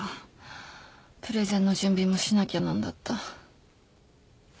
プレゼンの準備もしなきゃなんだった。